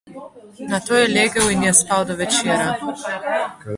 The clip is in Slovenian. Nato je legel in je spal do večera.